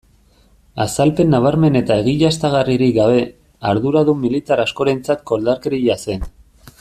Azalpen nabarmen eta egiaztagarririk gabe, arduradun militar askorentzat koldarkeria zen.